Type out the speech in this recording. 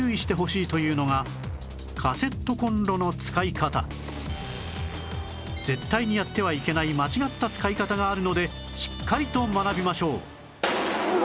さらに絶対にやってはいけない間違った使い方があるのでしっかりと学びましょう